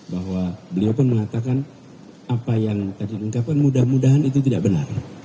bahwa beliau pun mengatakan apa yang tadi diungkapkan mudah mudahan itu tidak benar